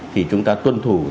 thì chúng ta tuân thủ theo